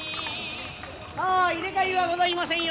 さあ入れ替えはございませんよ